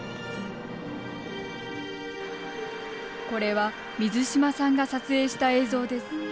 これは水島さんが撮影した映像です。